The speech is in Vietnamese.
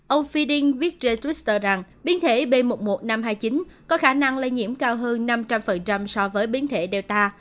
ông fieding viết trên twitter rằng biến thể b một một năm trăm hai mươi chín có khả năng lây nhiễm cao hơn năm trăm linh so với biến thể delta